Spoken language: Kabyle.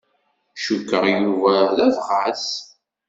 Cukkeɣ Yuba d abɣas.